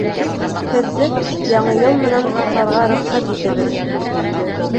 Һеҙҙе Яңы йыл менән ҡотларға рөхсәт итегеҙ!